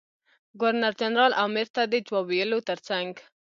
ګورنر جنرال امر ته د جواب ویلو تر څنګ.